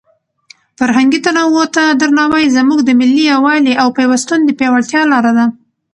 فرهنګي تنوع ته درناوی زموږ د ملي یووالي او پیوستون د پیاوړتیا لاره ده.